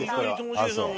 あっそう。